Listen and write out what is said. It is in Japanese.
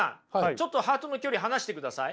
ちょっとハートの距離離してください。